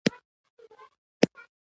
په سړو سيمو کې د لاندي دود کمرنګه شوى دى.